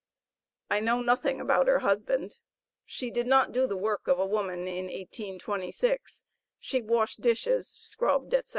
I know nothing about her husband; she did not do the work of a woman in 1826; she washed dishes, scrubbed, etc.